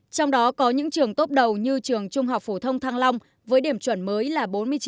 trong đó có những trường tốt đầu như trường trung học phổ thông thăng long với điểm chuẩn mới là bốn mươi chín